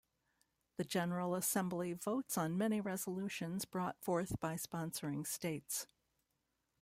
The General Assembly votes on many resolutions brought forth by sponsoring states.